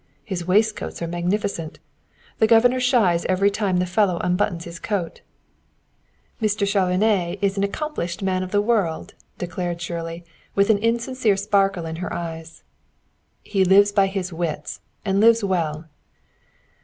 His waistcoats are magnificent. The governor shies every time the fellow unbuttons his coat." "Mr. Chauvenet is an accomplished man of the world," declared Shirley with an insincere sparkle in her eyes. "He lives by his wits and lives well."